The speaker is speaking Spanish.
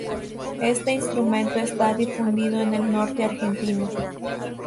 Este instrumento está difundido en el Norte argentino.